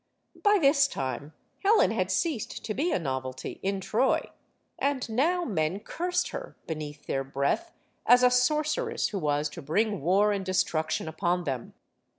By this time, Helen had ceased to be a novelty in Troy. And now men cursed her, beneath their breath, as a sorceress who was to bring war and destruction upon them.